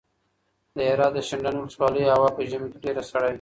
د هرات د شینډنډ ولسوالۍ هوا په ژمي کې ډېره سړه وي.